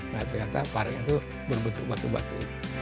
nah ternyata parek itu berbentuk batu batu